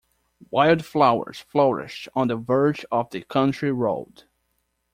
Wildflowers flourished on the verge of the country road